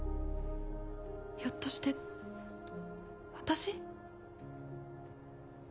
ひょっとして私？